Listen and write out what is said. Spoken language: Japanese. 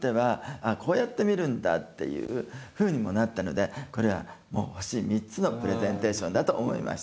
あこうやって見るんだっていうふうにもなったのでこれはもう星３つのプレゼンテーションだと思いました。